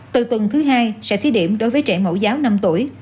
từ tuần thứ hai sẽ thí điểm đối với trẻ mẫu giáo năm tuổi